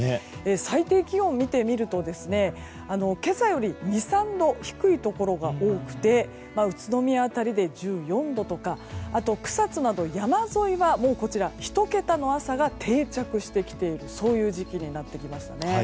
最低気温を見てみると今朝より２３度低いところが多くて宇都宮辺りで１４度とかあと、草津など山沿いは１桁の朝が定着してきている時期になってきましたね。